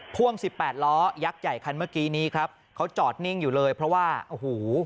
พ่วงสิบแปดล้อยักษ์ใหญ่คันเมื่อกี้นี้ครับเขาจอดนิ่งอยู่เลยเพราะว่าโอ้โห